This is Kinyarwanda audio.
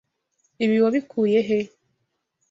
Ibi wabikuye he?